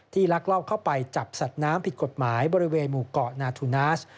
ลักลอบเข้าไปจับสัตว์น้ำผิดกฎหมายบริเวณหมู่เกาะนาทูนาส